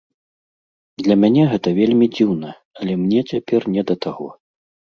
Для мяне гэта вельмі дзіўна, але мне цяпер не да таго.